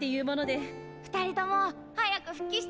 ２人とも早く復帰してよね。